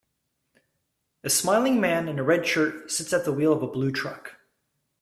A smiling man in a red shirt sits at the wheel of a blue truck.